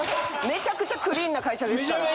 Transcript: めちゃくちゃクリーンな会社ですから。